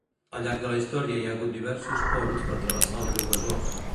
Al llarg de la història hi ha hagut diversos ponts per travessar el riu Besòs.